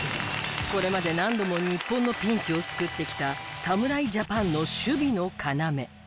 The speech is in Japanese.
これまで何度も日本のピンチを救ってきた侍ジャパンの守備の要。